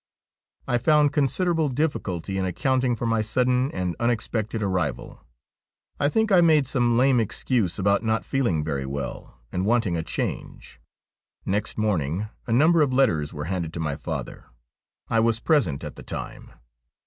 I found considerable difficulty in accounting for my sudden and unexpected arrival. I think I made some lame excuse about not feeling very well, and wanting a change. Next morning a number of letters were handed to my father. I was present at the time.